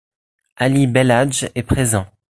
Ali Belhadj est présent.